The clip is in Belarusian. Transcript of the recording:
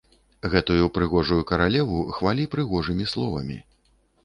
Гэту прыгожую каралеву хвалі прыгожымі словамі.